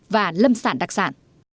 và lâm sản đặc sản